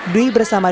dwi bersama dwi setia